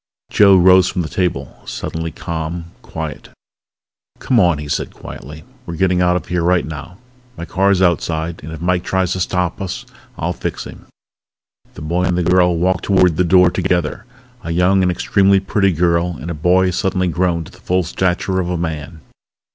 _ Joe rose from the table, suddenly calm, quiet. "Come on," he said quietly. "We're getting out of here right now. My car's outside and if Mike tries to stop us I'll fix him!" The boy and the girl walked toward the door together, a young and extremely pretty girl and a boy grown suddenly to the full stature of a man.